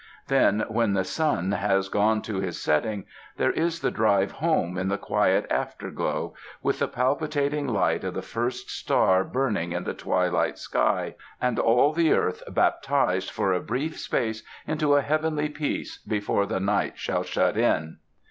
Then when the sun has gone to his setting, there is the drive home in the quiet afterglow, with the palpitating light of the first star burning in the twilight sky, and all the 7 UNDER THE SKY IN CALIFORNIA earth baptized for a brief space into a heavenly peace, before the night shall shut in.